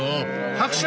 拍手！